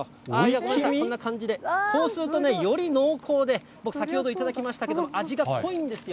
ごめんなさい、こんな感じで、こうするとね、より濃厚で、僕、先ほど頂きましたけど、味が濃いんですよ。